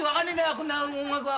こんな音楽は！